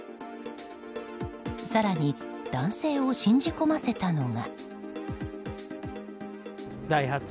更に、男性を信じ込ませたのが。